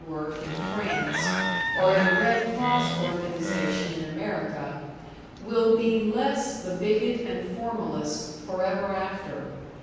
work in France, or in Red Cross organization in America, will be less the bigot and formalist forever after.